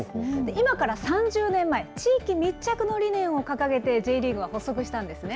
今から３０年前、地域密着の理念を掲げて、Ｊリーグは発足したんですね。